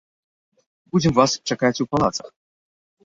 Будзем вас чакаць у палацах.